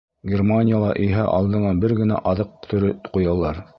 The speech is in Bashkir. Германияла иһә алдыңа бер генә аҙыҡ төрө ҡуялар.